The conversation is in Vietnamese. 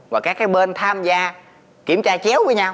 và các bên tham gia kiểm tra chéo với nhau